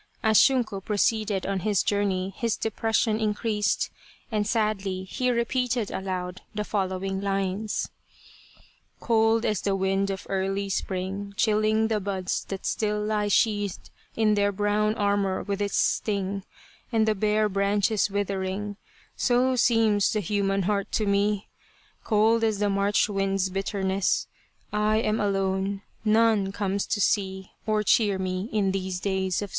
As Shunko proceeded on his journey his depression increased, and sadly he repeated aloud the following lines : Cold as ike wind of early spring Chilling the buds that still lie sheathed In their brown armour with its sting, And the bare branches withering So seems the human heart to me ! Cold as the March wind's bitterness ; I am alone, none comes to see Or cheer me in these days of stress.